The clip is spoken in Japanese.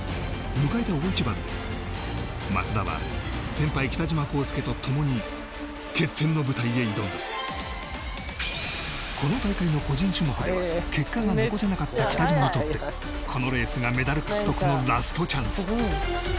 迎えた大一番で松田は先輩・北島康介とともに決戦の舞台へ挑んだこの大会の個人種目では結果が残せなかった北島にとってこのレースがメダル獲得のラストチャンス